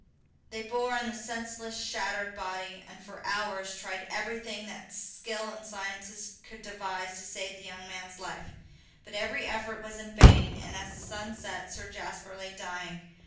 They bore in the senseless, shattered body, and for hours tried everything that skill and sciences could devise to save the young man's life. But every effort was in vain, and as the sun set Sir Jasper lay dying.